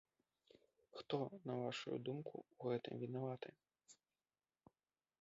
Хто, на вашую думку, у гэтым вінаваты?